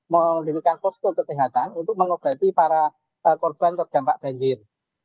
memiliki posko kesehatan untuk mengobati para korban terdampak banjir